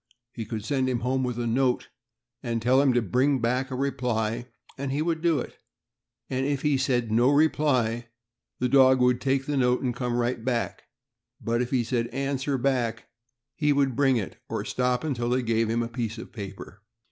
He could send him home with a note and tell him to bring a reply back, and he would do it; and if he said "No reply," dog would take note and come right back; but if he said "Answer back," he would bring it, or stop until they gave him a piece of paper.